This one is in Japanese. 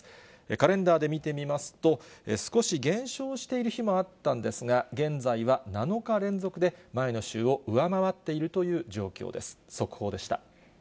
カレンダーで見てみますと、少し減少している日もあったんですが、現在は７日連続で前の週を上回っているという状況です。